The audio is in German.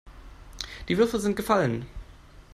Die Würfel sind gefallen.